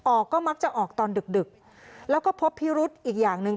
ออกก็มักจะออกตอนดึกแล้วก็พบพิรุธอีกอย่างหนึ่ง